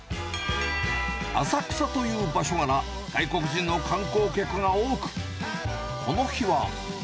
浅草という場所柄、外国人の観光客が多く、この日は。